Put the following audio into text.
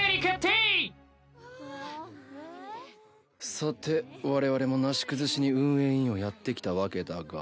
さてわれわれもなし崩しに運営委員をやってきたわけだが。